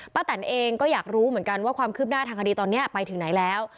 แตนเองก็อยากรู้เหมือนกันว่าความคืบหน้าทางคดีตอนนี้ไปถึงไหนแล้ว